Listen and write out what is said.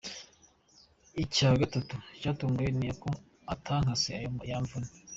Icya gatatu cyantunguye ni uko atankase ayo yamvuje.